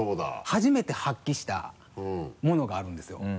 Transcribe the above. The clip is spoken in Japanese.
初めて発揮したものがあるんですよ。